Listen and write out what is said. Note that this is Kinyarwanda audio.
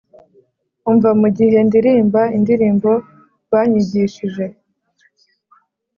umva mugihe ndirimba indirimbo banyigishije